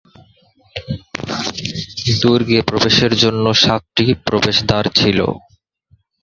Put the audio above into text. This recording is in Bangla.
দুর্গে প্রবেশের জন্য সাতটি প্রবেশদ্বার ছিল।